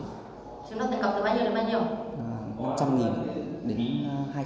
chiếm đoạt tiền cọc từ bao nhiêu đến bao nhiêu